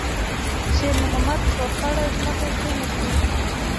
شېرمحمد په خړه ځمکه کېناست.